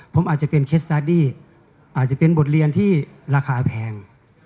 ผมอาจจะเป็นเคสตาร์ดดี้อาจจะเป็นบทเรียนที่ราคาแพง